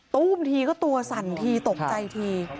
ตู้มทีก็ตัวสั่นทีตกใจที